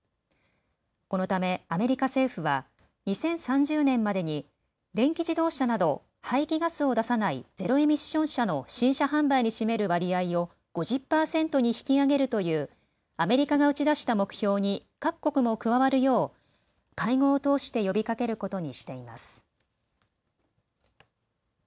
このためアメリカ政府は２０３０年までに電気自動車など排気ガスを出さないゼロエミッション車の新車販売に占める割合を５０％に引き上げるというアメリカが打ち出した目標に各国も加わるよう会合を通して呼びかけることにしています。